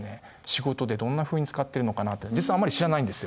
仕事でどんなふうに使ってるのかなって実はあまり知らないんですよ。